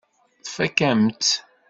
Tfakk-am-tt.